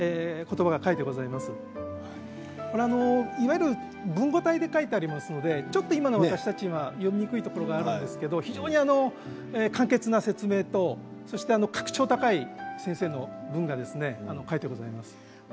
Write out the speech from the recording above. いわゆる文語体で書いてありますのでちょっと今の私たちは読みにくいところがあるんですけど非常に簡潔な説明と格調高い先生の文が書いてございます。